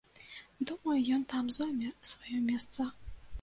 Думаю, ён там зойме сваё месца.